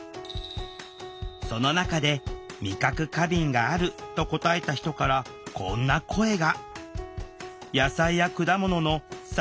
その中で「味覚過敏がある」と答えた人からこんな声が。